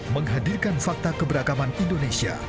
menghadirkan fakta keberagaman indonesia